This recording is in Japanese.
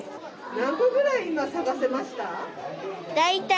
何個ぐらい今、探せました。